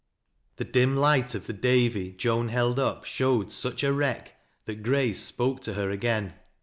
The dim light of the "Davy" Joar held up showed such a wreck that Grace spoke to hci again.